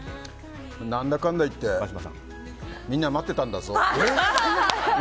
何だかんだ言ってみんな待ってたんだぞ。